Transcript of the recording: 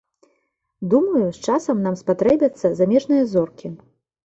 Думаю, з часам нам спатрэбяцца замежныя зоркі.